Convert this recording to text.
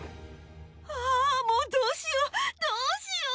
あー、もうどうしよう、どうしよう。